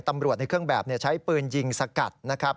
ตำรวจในเครื่องแบบใช้ปืนยิงสกัดนะครับ